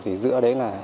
thì giữa đấy là